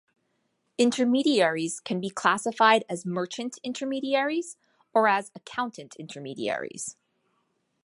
Intermediaries can be classified as merchant intermediaries or as accountant intermediaries.